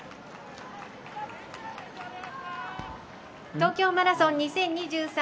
東京マラソン２０２３